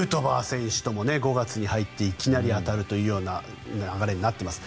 選手とも５月に入っていきなり当たるというような流れになっています。